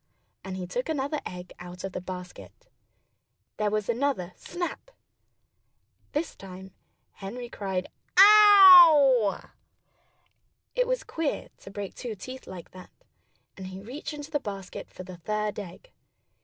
And he took another egg out of the basket. There was another snap! This time Henry cried "Ow!" It was queer, to break two teeth like that. And he reached into the basket for the third egg.